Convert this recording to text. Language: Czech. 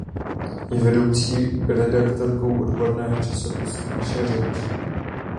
Je vedoucí redaktorkou odborného časopisu Naše řeč.